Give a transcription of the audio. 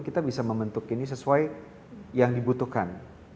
kita bisa membentuk ini sesuai yang dibutuhkan